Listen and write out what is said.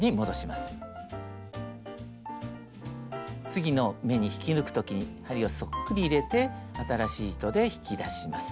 次の目に引き抜く時に針をそっくり入れて新しい糸で引き出します。